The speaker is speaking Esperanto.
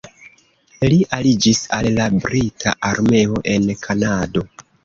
Li aliĝis al la brita armeo en Kanado.